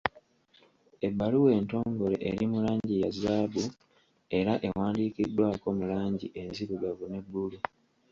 Ebbaluwa entongole eri mu langi ya zzaabu era ewandiikiddwako mu langi enzirugavu ne bbulu.